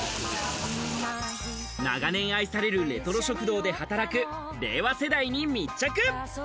長年愛されるレトロ食堂で働く令和世代に密着。